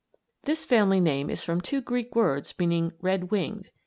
This family name is from two Greek words meaning "red winged."